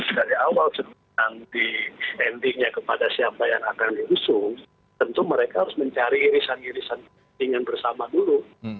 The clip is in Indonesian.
nah yang kedua membangun koalisi dari awal sampai nanti endingnya kepada siapa yang akan diusung tentu mereka harus mencari irisan irisan kepentingan bersama dulu